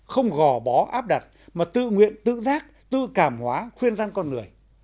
không gò bó áp đặt mà tự nguyện tự giác tự cảm hóa khuyên gian con người